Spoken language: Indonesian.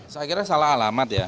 saya kira salah alamat ya